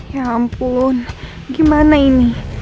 ya ampun gimana ini